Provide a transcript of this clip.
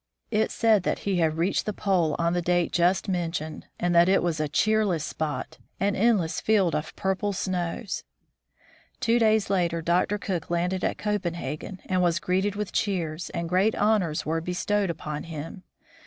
It said that he had reached the Pole on the date just men tioned, and that "it was a cheerless spot, an endless field of purple snows." Two days later Dr. Cook landed at Copenhagen and was greeted with cheers, and great honors were bestowed upon him.